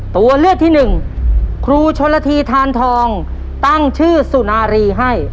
ตัวเลือดที่๑ครูชนลธีธานทองตั้งชื่อสุนารีให้